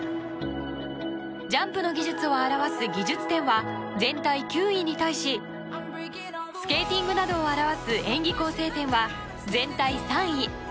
ジャンプの技術を表す技術点は全体９位に対しスケーティングなどを表す演技構成点は全体３位。